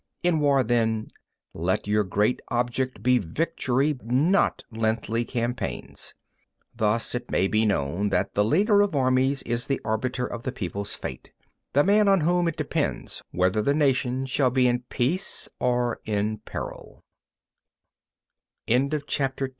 19. In war, then, let your great object be victory, not lengthy campaigns. 20. Thus it may be known that the leader of armies is the arbiter of the people's fate, the man on whom it depends whether the nation shall be in pea